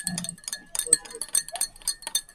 বাজে বকবে না।